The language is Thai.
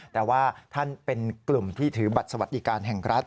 แต่ว่าท่านเป็นกลุ่มที่ถือบัตรสวัสดิการแห่งรัฐ